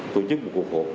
tổ chức một cuộc hộp